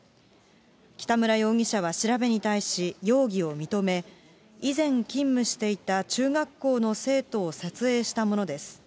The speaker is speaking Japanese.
北村容疑者は調べに対し、容疑を認め、以前勤務していた中学校の生徒を撮影したものです。